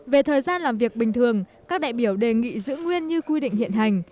về thời gian làm việc bình thường các đại biểu đề nghị giữ nguyên như quy định hiện hành